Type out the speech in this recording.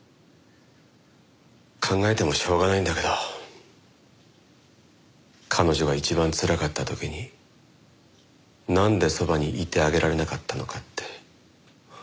考えてもしょうがないんだけど彼女が一番つらかった時になんでそばにいてあげられなかったのかって。